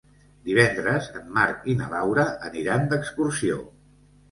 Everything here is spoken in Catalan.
Divendres en Marc i na Laura aniran d'excursió.